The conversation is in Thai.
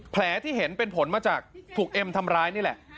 แผลที่เห็นเป็นผลมาจากถูกเอ็มทำร้ายนี่แหละ